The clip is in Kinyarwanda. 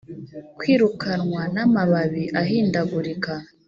kwirukanwa n'amababi ahindagurika.